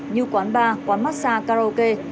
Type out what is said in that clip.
như quán bar quán massage karaoke